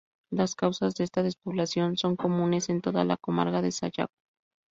Las causas de esta despoblación son comunes a toda la comarca de Sayago.